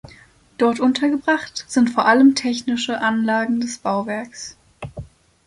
Dort untergebracht sind vor allem technische Anlagen des Bauwerks.